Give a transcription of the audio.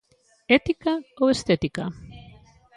Ética ou estética?